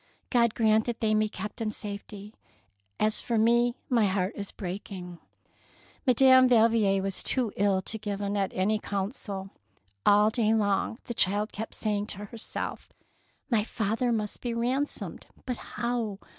God grant that they may be kept in safety ; as for me my heart is breaking! Madame Valvier was too ill to give Annette any counsel. All day long the child kept saying to herself, — "My father must be ransomed, but how